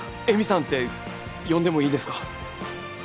恵美さんって呼んでもいいですか？